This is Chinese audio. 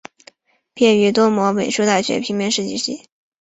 毕业于多摩美术大学平面设计系。